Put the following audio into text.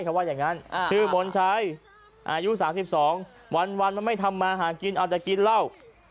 เขาว่าอย่างนั้นชื่อมนชัยอายุ๓๒วันมันไม่ทำมาหากินเอาแต่กินเหล้า